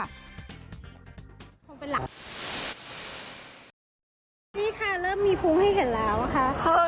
นี่ค่ะเริ่มมีภูมิให้เห็นแล้วค่ะ